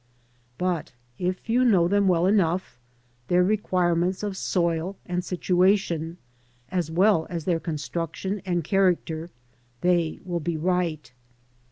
But if you know them well enough, their requirements of soil and situation, as well as their construction and character, th^ will be right.